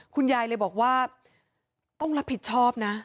คุณยายเลยบอกว่าต้องรับผิดชอบนะ